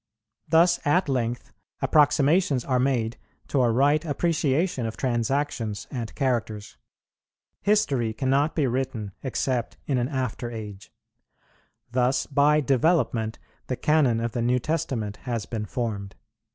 [47:1] Thus at length approximations are made to a right appreciation of transactions and characters. History cannot be written except in an after age. Thus by development the Canon of the New Testament has been formed.